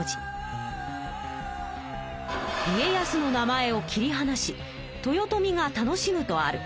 家康の名前を切りはなし豊臣が楽しむとある。